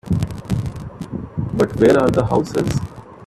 But where are the houses?